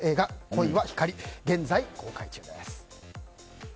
「恋は光」、現在公開中です。